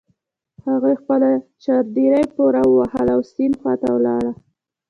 هغې خپله چادري پورې وهله او د سيند خواته لاړه.